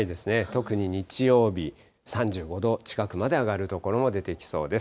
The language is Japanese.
特に日曜日、３５度近くまで上がる所も出てきそうです。